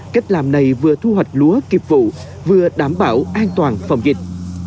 cách làm này vừa thu hoạch lúa kịp vụ vừa đảm bảo an toàn phòng dịch